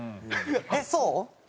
えっそう？